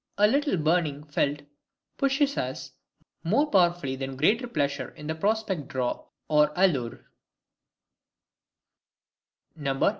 A little burning felt pushes us more powerfully than greater pleasure in prospect draw or allure.